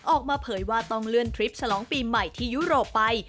ออกมาเผยว่าต้องเลื่อนทริปฉลองปีใหม่ที่ยุโรปไป